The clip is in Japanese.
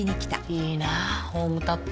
いいなホームタップ。